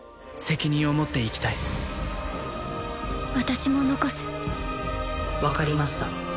責任を持って生きたい私も残す分かりました